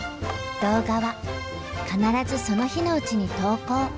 動画は必ずその日のうちに投稿。